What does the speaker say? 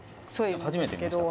初めて見ました。